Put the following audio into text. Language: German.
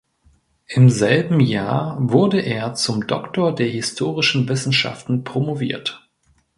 Im selben Jahr wurde er zum Doktor der historischen Wissenschaften promoviert.